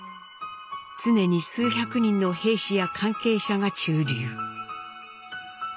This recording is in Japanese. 常に数百人の兵士や関係者が駐留。